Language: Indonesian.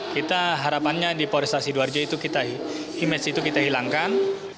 kita harapannya di prestasi diwarjo itu kita hilangkan